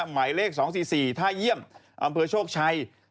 หมายเลข๒๔๔ท่าเยี่ยมอำเภอโชคชัย